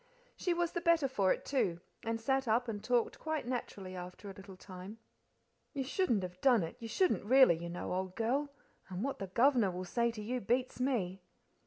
She was the better for it, too, and sat up and talked quite naturally after a little time. "You shouldn't have done t you shouldn't really, you know, old girl, and what the governor will say to you beats me."